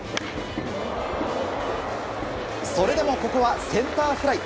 それでもここはセンターフライ。